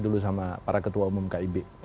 dulu sama para ketua umum kib